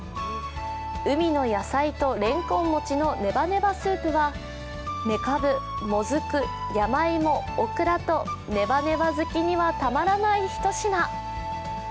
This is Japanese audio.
海の野菜とレンコンもちのねばねばスープはめかぶ・もずく・山芋・オクラとねばねば好きにはたまらない一品。